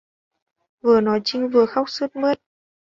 Vừa nói Trinh vừa khóc sướt mướt